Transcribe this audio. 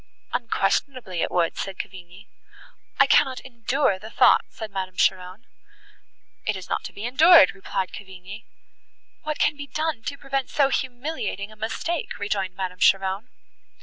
"Unquestionably it would," said Cavigni. "I cannot endure the thought," said Madame Cheron. "It is not to be endured," replied Cavigni. "What can be done to prevent so humiliating a mistake?" rejoined Madame Cheron.